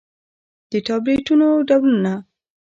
د ټابليټنو ډولونه: